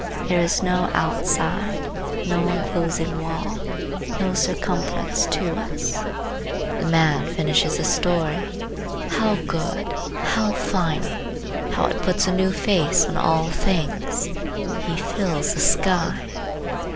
There is no outside, no inclosing wall, no circumference to us. The man finishes his story,—how good! how final! how it puts a new face on all things! He fills the sky.